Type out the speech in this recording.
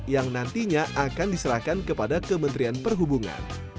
yang nantinya akan diserahkan kepada kementerian perhubungan